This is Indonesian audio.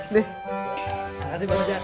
makasih bang ojak